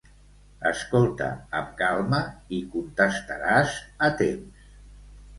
Escolta amb calma i contestaràs a temps.